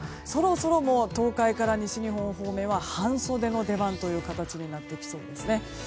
そろそろ東海から西日本方面は半袖の出番という形になってきそうですね。